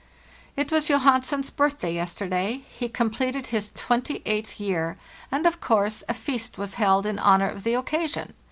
"Tt was Johansen's birthday yesterday ; he completed his twenty eighth year, and of course a feast was held in honor of the occasion.